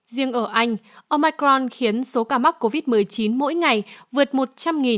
riêng ở anh omacron khiến số ca mắc covid một mươi chín mỗi ngày vượt một trăm linh